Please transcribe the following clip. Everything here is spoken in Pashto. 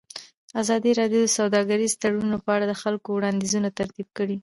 ازادي راډیو د سوداګریز تړونونه په اړه د خلکو وړاندیزونه ترتیب کړي.